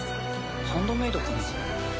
ハンドメイドかな？